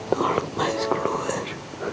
tolong mas keluar